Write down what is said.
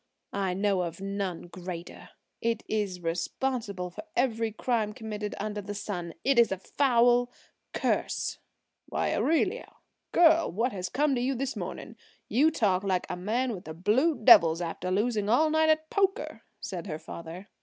I know of none greater. It is responsible for every crime committed under the sun. It is a foul curse!" "Why, Aurelia, girl, what has come to you this morning? You talk like a man with the blue devils after losing all night at poker," said her father.